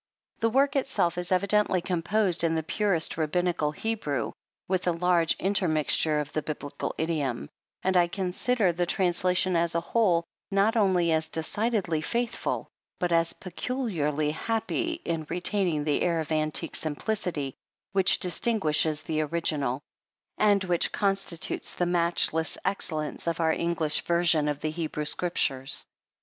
The work itself is evidently composed in the purest Rabbinical He brew, with a large intermixture of the Biblical idiom, and I consider the trans lation as a whole, not only as decidedly faithful, but as peculiarly happy in re taining the air of antique simplicity which distinguishes the original, and which constitutes the matchless excellence of our English version of the Hebrew Scrip tures.